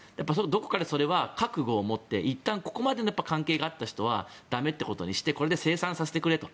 どこかでそれは覚悟を持っていったんここまで関係があった人は駄目ということにして清算してくれと。